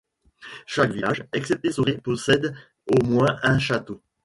Chaque village, excepté Sorée, possède au moins un château.